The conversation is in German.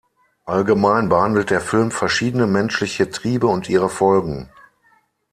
Allgemein behandelt der Film verschiedene menschliche Triebe und ihre Folgen.